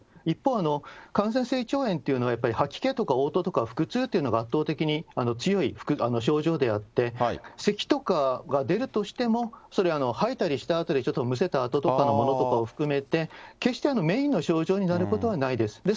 一方、感染性胃腸炎というのはやっぱり吐き気とかおう吐とか腹痛というのが圧倒的に強い症状であって、せきとかが出るとしても、それは吐いたりしたあとでちょっとむせたあととかのものとかを含めて、決してメインの症状になることはないです。